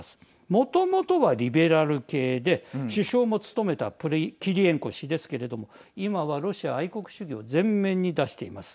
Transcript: もともとは、リベラル系で首相も務めたキリエンコ氏ですけれども今は、ロシア愛国主義を全面に出しています。